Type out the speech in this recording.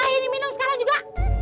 ini minum sekarang juga